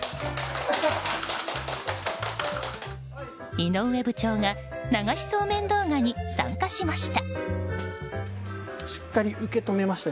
井上部長が流しそうめん動画に参加しました。